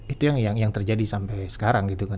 itu yang terjadi sampai sekarang gitu kan